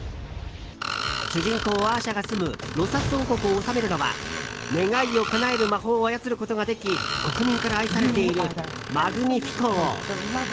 主人公アーシャが住むロサス王国を治めるのは願いをかなえる魔法を操ることができ国民から愛されているマグニフィコ王。